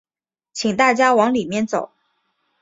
请大家往里面走